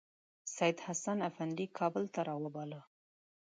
سیدحسن افندي کابل ته راوباله.